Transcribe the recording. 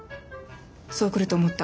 そう来ると思った。